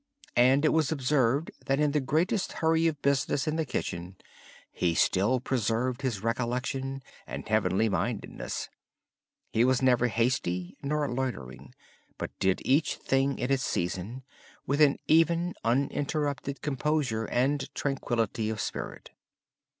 It was observed, that in the greatest hurry of business in the kitchen, he still preserved his recollection and heavenly mindedness. He was never hasty nor loitering, but did each thing in its season with an even uninterrupted composure and tranquillity of spirit.